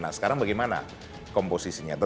nah sekarang bagaimana komposisinya